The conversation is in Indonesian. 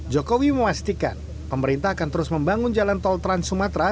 jokowi memastikan pemerintah akan terus membangun jalan tol trans sumatera